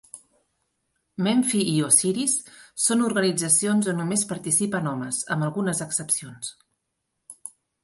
Memphi i Osiris són organitzacions on només participen homes, amb algunes excepcions.